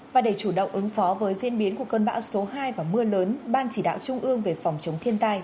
và để chủ động ứng phó với diễn biến của cơn bão số hai và mưa lớn ban chỉ đạo trung ương về phòng chống thiên tai